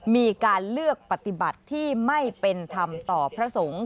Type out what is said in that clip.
มีการเลือกปฏิบัติที่ไม่เป็นธรรมต่อพระสงฆ์